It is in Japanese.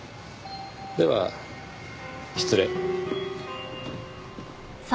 では失礼。